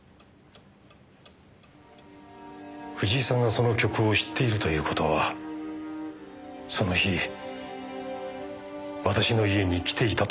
藤井さんがその曲を知っているという事はその日私の家に来ていたという事以外考えられません。